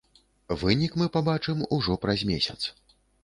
Вынік мы пабачым ужо праз месяц.